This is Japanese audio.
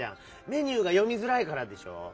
メニューがよみづらいからでしょ！